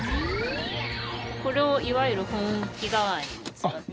これをいわゆる保温器代わりに使ってて。